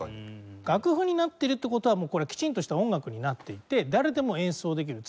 楽譜になってるって事はもうこれきちんとした音楽になっていて誰でも演奏できる。